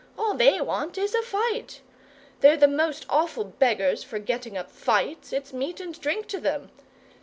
All they want is a FIGHT. They're the most awful beggars for getting up fights it's meat and drink to them.